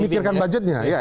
mereka lebih mikir budgetnya